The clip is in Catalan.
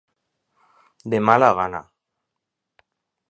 De mala gana.